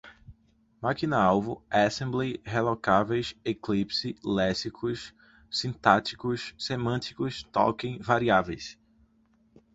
máquina-alvo, assembly, relocáveis, eclipse, léxicos, sintáticos, semânticos, token, variáveis